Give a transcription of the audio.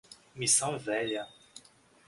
Missão Velha